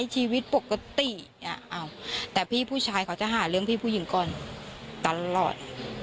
จะหาเรื่องพี่ผู้หญิงก่อนตลอด